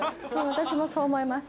私もそう思います。